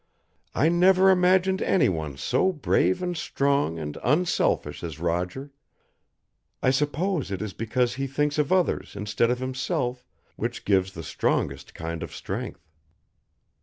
I never imagined anyone so brave and strong and unselfish as Roger. I suppose it is because he thinks of others instead of himself, which gives the strongest kind of strength."